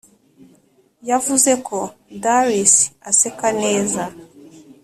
yavuze ko darcy aseka neza